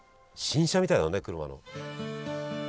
新車みたいだね車の。